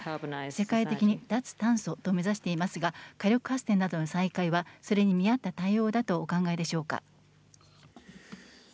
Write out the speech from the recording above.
世界的に脱炭素を目指していますが火力発電などの再開はそれに見合った対応だとお考えでしょうか。